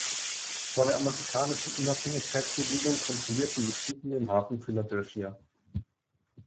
Vor der Amerikanischen Unabhängigkeitsbewegung kontrollierten die Briten den Hafen von Philadelphia.